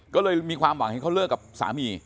ก็เลยมีความหวังเห็นเขาเลิกกับสามี